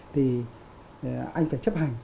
thì anh phải chấp hành